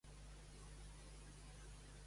Està casat amb Nechama Rivlin, i té quatre fills.